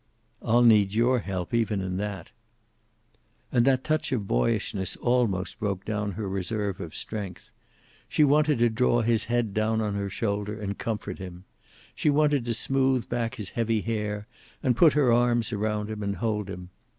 "I'll need your help, even in that." And that touch of boyishness almost broke down her reserve of strength. She wanted to draw his head down on her shoulder, and comfort him. She wanted to smooth back his heavy hair, and put her arms around him and hold him.